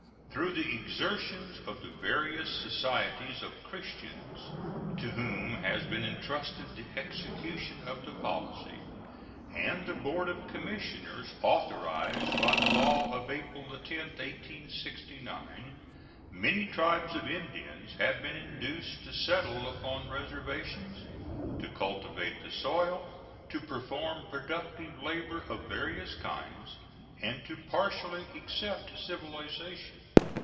Through the exertions of the various societies of Christians to whom has been intrusted the execution of the policy, and the board of commissioners authorized by the law of April 10, 1869, many tribes of Indians have been induced to settle upon reservations, to cultivate the soil, to perform productive labor of various kinds, and to partially accept civilization.